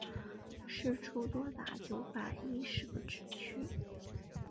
释出多达九百一十个职缺